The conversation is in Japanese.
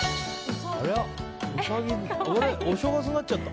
ウサギ？お正月になっちゃった。